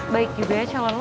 baik juga ya calon lo